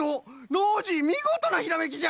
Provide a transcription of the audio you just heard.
ノージーみごとなひらめきじゃ！